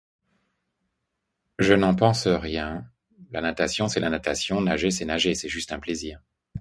Je n'en pense rien, la natation, c'est la natation, nager c'est nager, c'est juste un plaisir.